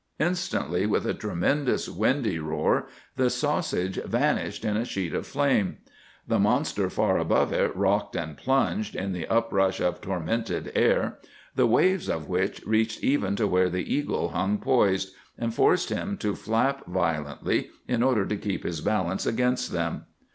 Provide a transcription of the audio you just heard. Instantly, with a tremendous windy roar, the sausage vanished in a sheet of flame. The monster far above it rocked and plunged in the uprush of tormented air, the waves of which reached even to where the eagle hung poised, and forced him to flap violently in order to keep his balance against them.